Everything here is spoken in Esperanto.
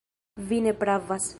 Vi ne pravas.